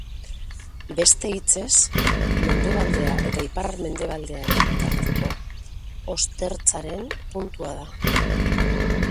Beste hitzez, mendebaldea eta ipar-mendebaldearen bitarteko ostertzaren puntua da.